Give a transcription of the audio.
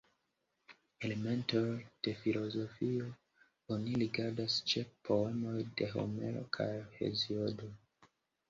Elementoj de filozofio oni rigardas ĉe poemoj de Homero kaj Heziodo.